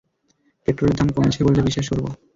পেট্রোলের দাম কমেছে বললে বিশ্বাস করব।